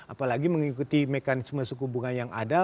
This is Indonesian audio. apalagi mengikuti mekanisme sekubungan yang ada